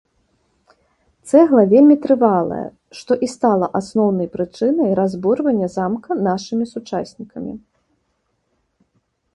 Цэгла вельмі трывалая, што і стала асноўнай прычынай разбурвання замка нашымі сучаснікамі.